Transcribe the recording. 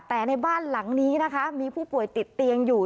แต่ในบ้านหลังนี้นะคะมีผู้ป่วยติดเตียงอยู่